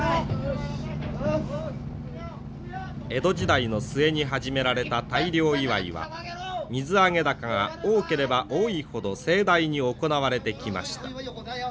江戸時代の末に始められた大漁祝いは水揚げ高が多ければ多いほど盛大に行われてきました。